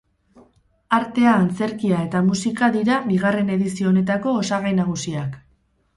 Artea, antzerkia eta musika dira bigarren edizio honetako osagai nagusiak.